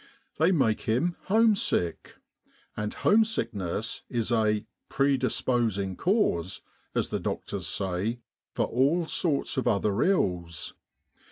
They make him home sick. And home sickness is a <( pre disposing cause,*' as the doctors say, for all sorts of other ills.